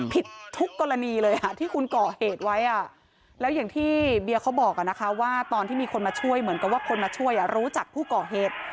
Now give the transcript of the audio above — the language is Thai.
ผิดทุกกรณีเลยค่ะที่คุณก่อเหตุไว้แล้วอย่างที่เบียเขาบอกว่าตอนที่มีคนมาช่วยเหมือนกับว่าคนมาช่วยรู้จักผู้ก่อเหตุ